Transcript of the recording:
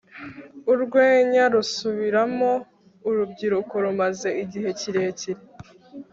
Urwenya rusubiramo urubyiruko rumaze igihe kirekire